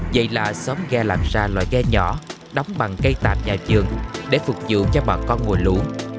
vậy là xóm ghe làm ra loại ghe nhỏ đóng bằng cây tạp nhà trường để phục vụ cho bà con mùa lũ